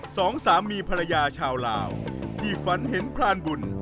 สองสามีภรรยาชาวลาวที่ฝันเห็นพรานบุญ